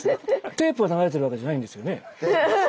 テープが流れてるわけじゃないんですよね。